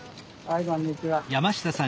はいこんにちは。